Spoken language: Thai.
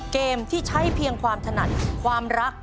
เกมที่ใช้เพียงความถนัดความรัก